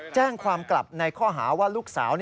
แจ้งความกลับในข้อหาว่าลูกสาว